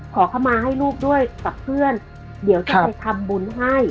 ขอเข้ามาให้ลูกด้วยกับเพื่อนเดี๋ยวจะไปทำบุญให้